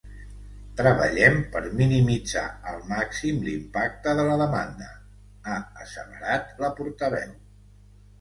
“Treballem per minimitzar al màxim l’impacte de la demanda”, ha asseverat la portaveu.